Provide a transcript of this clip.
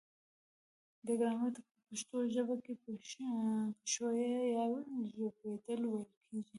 و ګرامر ته په پښتو ژبه کې پښويه يا ژبدود ويل کيږي